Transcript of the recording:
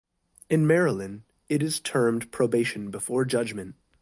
In Maryland, it is termed probation before judgment.